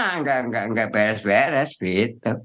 ya sudah kumah nggak beres beres gitu